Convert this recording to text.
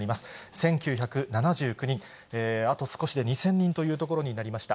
１９７９人、あと少しで２０００人というところになりました。